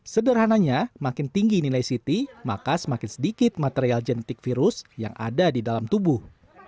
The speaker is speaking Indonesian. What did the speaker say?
sederhananya makin tinggi nilai ct maka semakin sedikit material genetik virus yang ada di dalam tubuh